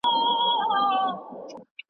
د کلي په ویاله کې اوبه اوس ډېرې پاکې روانې دي.